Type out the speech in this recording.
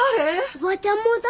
おばちゃんも誰？